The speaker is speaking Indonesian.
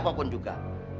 pada siapapun juga